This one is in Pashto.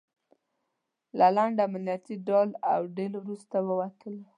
له لنډ امنیتي ډال او ډیل وروسته ووتلو.